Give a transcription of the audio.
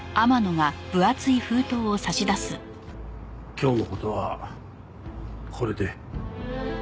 今日の事はこれで。